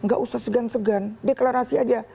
gak usah segan segan deklarasi aja